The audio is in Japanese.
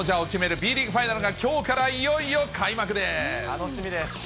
Ｂリーグファイナルがきょうからいよいよ開幕です。